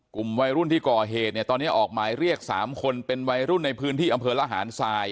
กลุ่มวัยรุ่นที่ก่อเหตุเนี่ยตอนนี้ออกหมายเรียก๓คนเป็นวัยรุ่นในพื้นที่อำเภอระหารทราย